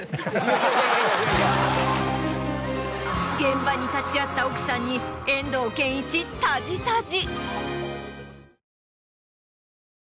現場に立ち会った奥さんに遠藤憲一タジタジ。